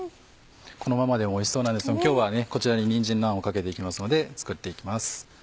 このままでもおいしそうなんですけど今日はこちらににんじんのあんをかけて行きますので作って行きます。